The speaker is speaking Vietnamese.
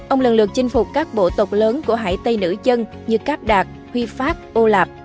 ông lần lượt chinh phục các bộ tộc lớn của hải tây nữ chân như cáp đạt huy phát ô lạp